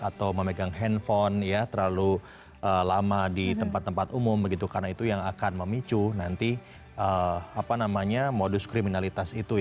atau memegang handphone terlalu lama di tempat tempat umum begitu karena itu yang akan memicu nanti modus kriminalitas itu